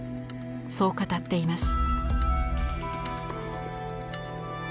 そう語っています。